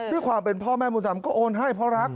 ด้วยความเป็นพ่อแม่บุญธรรมก็โอนให้เพราะรัก